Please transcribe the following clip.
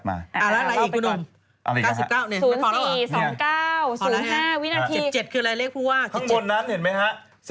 ข้างบนนั้นเห็นไหมฮะ